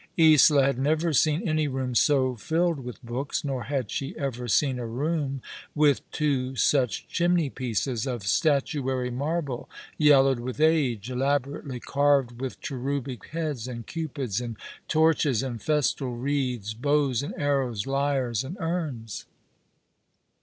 Isola had never seen any room so filled with books, nor had she ever seen a room with two such chimney pieces, of statuary marble, yellowed with age, elaborately carved with cherubic heads, and Cupids, and torches and festal wreaths, bows and arrows, lyres and urns.